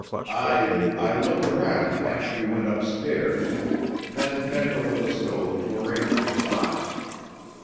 "I—I looked around after you went upstairs—then bent over the stove to arrange the pots.